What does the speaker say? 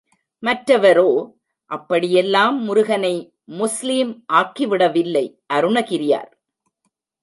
மற்றவரோ, அப்படியெல்லாம் முருகனை முஸ்லீம் ஆக்கிவிடவில்லை அருணகிரியார்.